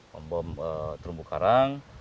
membom terumbu karang